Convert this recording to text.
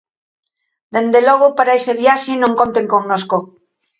Dende logo, para esa viaxe non conten connosco.